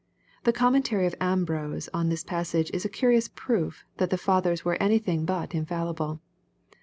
The com mentary of Ambrose on this passage is a curious proof that the Fathers were anything but infallible.